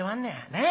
ねえ。